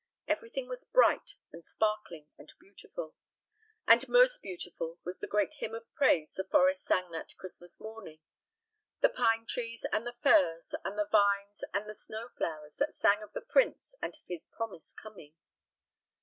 Everything was bright and sparkling and beautiful. And most beautiful was the great hymn of praise the forest sang that Christmas morning, the pine trees and the firs and the vines and the snow flowers that sang of the prince and of his promised coming.